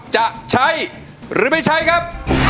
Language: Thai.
จะใช้หรือไม่ใช้ครับ